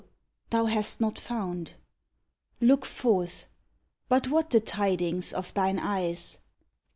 thou hast not found ! Look forth ! But what the tidings of thine eyes?